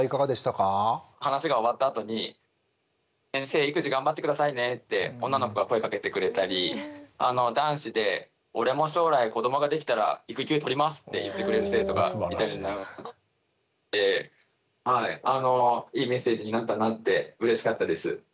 話が終わったあとに「先生育児頑張って下さいね」って女の子が声かけてくれたり男子で「俺も将来子どもができたら育休取ります」って言ってくれる生徒がいたりでいいメッセージになったなってうれしかったです。